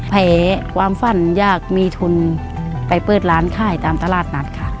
แพ้ความฝันอยากมีทุนไปเปิดร้านขายตามตลาดนัดค่ะ